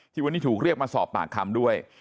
วันนี้ถูกเรียกมาสอบปากคำด้วย